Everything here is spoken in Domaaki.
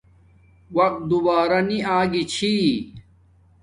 وقت دوباہ نی آگی چھی